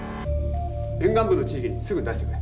沿岸部の地域にすぐに出してくれ。